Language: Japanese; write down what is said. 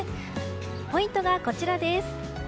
ポイントがこちらです。